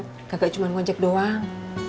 enggak cuma ngonjek doang